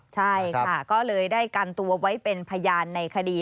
ใช่ค่ะก็เลยได้กันตัวไว้เป็นพยานในคดี